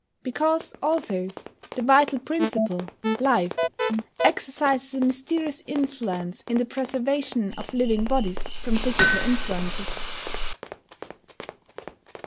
Because, also, the vital principle (life) exercises a mysterious influence in the preservation of living bodies from physical influences.